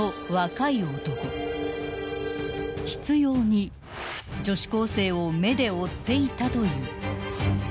［執拗に女子高生を目で追っていたという］